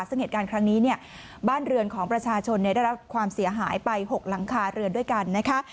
ซึ่งเหตุการณ์ครั้งนี้เนี่ยบ้านเรือนของประชาชนได้รับความเสียหายไป๖หลังคาเรือนด้วยกันนะคะ